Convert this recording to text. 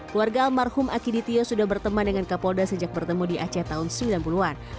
keluarga almarhum akiditio sudah berteman dengan kapolda sejak bertemu di aceh tahun sembilan puluh an